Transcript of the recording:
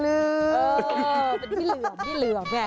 เป็นพี่เหลืองนี่